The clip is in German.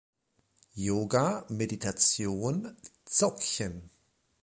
Yoga, Meditation, Dzogchen